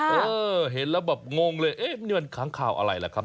เออเห็นแล้วแบบงงเลยเอ๊ะนี่มันค้างข่าวอะไรล่ะครับ